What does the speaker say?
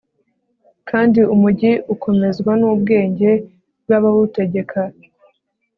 kandi umugi ukomezwa n'ubwenge bw'abawutegeka